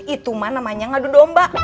itu mah namanya ngadu domba